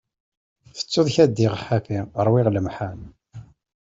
Tettuḍ kra ddiɣ ḥafi, ṛwiɣ lemḥan.